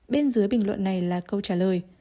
bên dưới bình luận này là câu trả lời